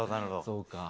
そうか。